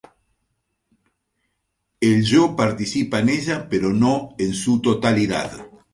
El yo participa en ella pero no es su totalidad.